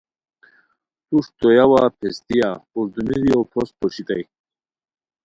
توݰ تویاوا پھیستیہ پردومیریو پھوست پوشیتائے